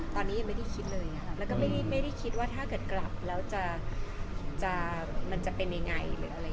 ตอนนี้ยังไม่ได้คิดเลยแล้วก็ไม่ได้คิดว่าถ้าเกิดกลับแล้วมันจะเป็นยังไง